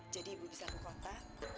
jadi ibu bisa ke kota